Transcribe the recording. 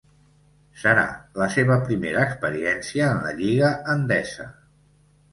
Serà la seva primera experiència en la Lliga Endesa.